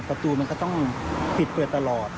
ประตูมันก็ต้องปิดเปิดตลอด